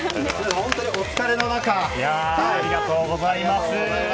本当にお疲れの中ありがとうございます。